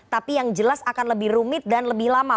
tapi yang jelas akan lebih rumit dan lebih lama